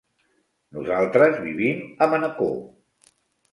Nosaltres vivim a Manacor.